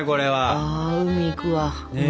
あ海行くわ海。